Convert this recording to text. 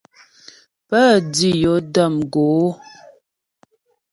Pə́ dǐ yo də̌m gǒ.